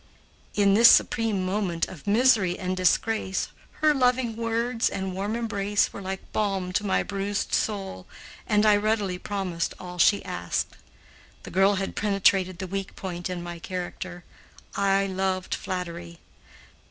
In this supreme moment of misery and disgrace, her loving words and warm embrace were like balm to my bruised soul and I readily promised all she asked. The girl had penetrated the weak point in my character. I loved flattery.